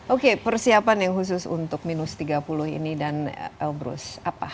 oke persiapan yang khusus untuk minus tiga puluh ini dan elbrus apa